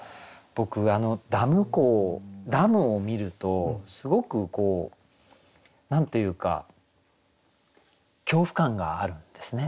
僕ダム湖をダムを見るとすごくこう何て言うか恐怖感があるんですね。